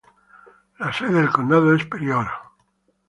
La sede del condado es Pryor.